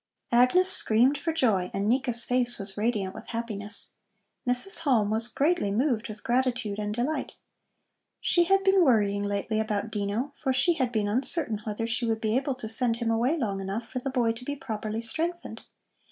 Agnes screamed for joy and Nika's face was radiant with happiness. Mrs. Halm was greatly moved with gratitude and delight. She had been worrying lately about Dino, for she had been uncertain whether she would be able to send him away long enough for the boy to be properly strengthened.